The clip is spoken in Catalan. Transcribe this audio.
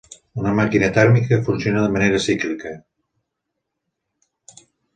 Una màquina tèrmica funciona de manera cíclica.